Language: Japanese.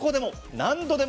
「何度でも」